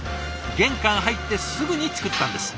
玄関入ってすぐに作ったんです。